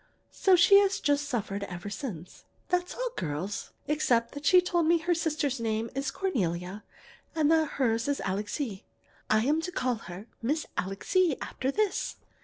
So she has just suffered ever since. "That's all, girls, except that she told me her sister's name is Cornelia and that hers is Alixe. I'm to call her Miss Alixe after this.